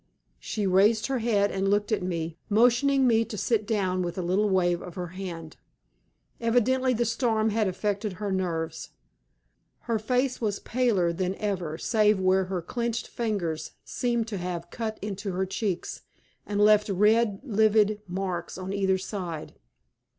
She raised her head and looked at me, motioning me to sit down with a little wave of her hand. Evidently the storm had affected her nerves. Her face was paler than ever save where her clenched fingers seemed to have cut into her cheeks and left red livid marks on either side.